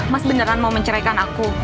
mas beneran mau menceraikan aku